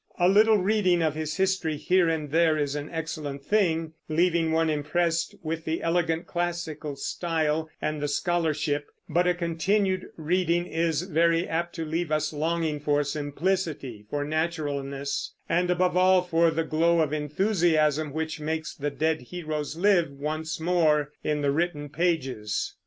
A little reading of his History here and there is an excellent thing, leaving one impressed with the elegant classical style and the scholarship; but a continued reading is very apt to leave us longing for simplicity, for naturalness, and, above all, for the glow of enthusiasm which makes the dead heroes live once more in the written pages.